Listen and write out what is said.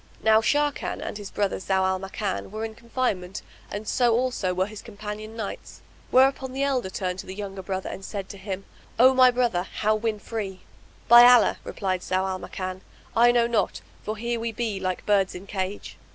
Now Sharrkan and his brother, Zau al Makan, were in confinement and so also were his companion knights; whereupon the elder turned to the younger brother and said to him, "O my brother, how win free?" "By Allah," replied Zau al Makan, "I know not; for here we be like birds in cage."